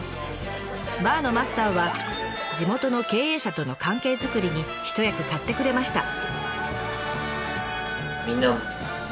バーのマスターは地元の経営者との関係作りに一役買ってくれました。